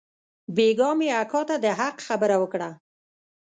بيگاه مې اکا ته د حق خبره وکړه.